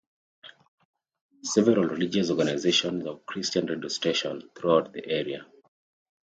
Several religious organizations have Christian radio stations throughout the area.